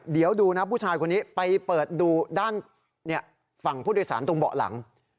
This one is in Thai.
เดี๋ยวดูนะผู้ชายคนนี้ไปเปิดดูด้านฝั่งผู้โดยสารตรงเบาะหลัง